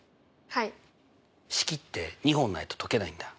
はい式って２本ないと解けないんだ。